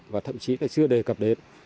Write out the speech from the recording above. và thậm chí là chưa đề cập đến